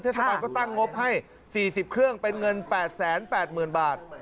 เทศบาลก็ตั้งงบให้๔๐เครื่องเป็นเงิน๘๘๐๐๐บาท